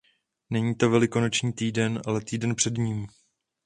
Není to velikonoční týden, ale týden před ním.